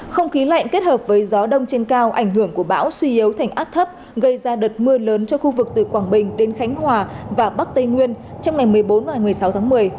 không khí lạnh kết hợp với gió đông trên cao ảnh hưởng của bão suy yếu thành áp thấp gây ra đợt mưa lớn cho khu vực từ quảng bình đến khánh hòa và bắc tây nguyên trong ngày một mươi bốn và một mươi sáu tháng một mươi